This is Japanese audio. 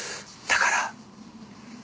だから。